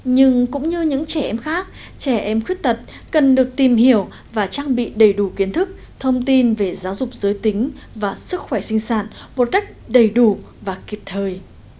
nhưng cũng như những trẻ em khác trẻ em khuyết tật cần được tìm hiểu và trang bị đầy đủ kiến thức thông tin về giáo dục giới tính và sức khỏe sinh sản một cách đầy đủ và kịp thời